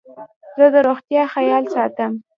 زه د روغتیا خیال ساتم.